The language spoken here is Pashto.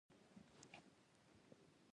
دا يو شکل کښې جنګي مشق هم دے